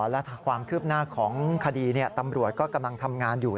และความคืบหน้าของคดีตำรวจก็กำลังทำงานอยู่